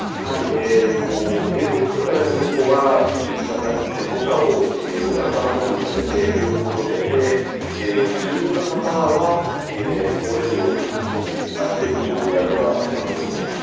映像を見ていただいたところは重機が入って土砂を路肩のほうに寄せて流木を寄せて住民の方は通れるようになっている状態ではあります。